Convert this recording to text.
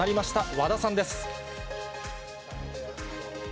和田さんです。